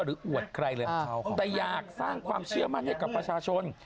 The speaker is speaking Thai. อวดใครเลยแต่อยากสร้างความเชื่อมั่นให้กับประชาชน